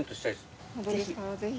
ぜひ。